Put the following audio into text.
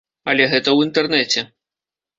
Але гэта ў інтэрнэце.